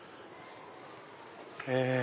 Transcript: へぇ。